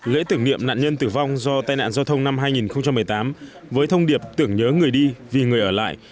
lễ tưởng niệm nạn nhân tử vong do tai nạn giao thông năm hai nghìn một mươi tám với thông điệp tưởng nhớ người đi vì người ở lại